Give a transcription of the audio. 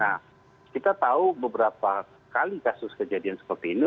nah kita tahu beberapa kali kasus kejadian seperti ini